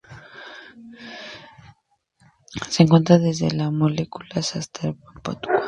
Se encuentra desde las Molucas hasta Papúa Nueva Guinea y Islas Ryukyu.